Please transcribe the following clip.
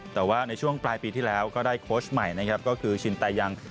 แต่ว่าในช่วงปลายปีที่แล้วก็ได้โค้ชใหม่นะครับก็คือชินตายัง